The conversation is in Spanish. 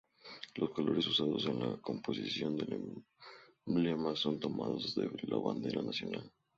Los colores usados en la composición del emblema son tomados de la bandera nacional.